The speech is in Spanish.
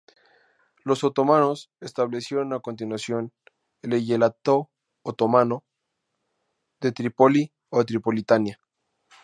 Los otomanos establecieron a continuación el Eyalato otomano de Trípoli o Tripolitania.